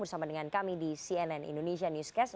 bersama dengan kami di cnn indonesia newscast